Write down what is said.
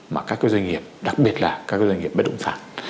mà các doanh nghiệp đặc biệt là các doanh nghiệp bất động sản